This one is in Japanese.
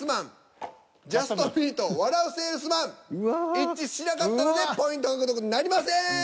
一致しなかったのでポイント獲得になりません！